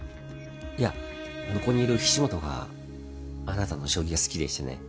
いやここにいる菱本はあなたの将棋が好きでしてね。